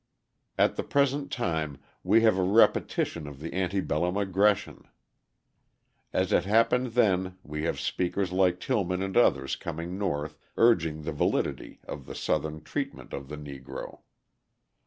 At the present time we have a repetition of the ante bellum aggression. As it happened then, we have speakers like Tillman and others coming North urging the validity of the Southern treatment of the Negro.